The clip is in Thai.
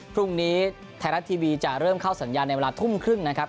พรุ่งนี้ไทยรัฐทีวีจะเริ่มเข้าสัญญาณในเวลาทุ่มครึ่งนะครับ